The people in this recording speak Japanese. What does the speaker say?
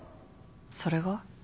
それが？